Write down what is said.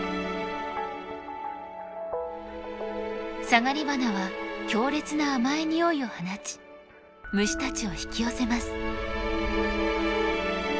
サガリバナは強烈な甘い匂いを放ち虫たちを引き寄せます。